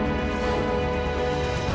jadi kita harus mencari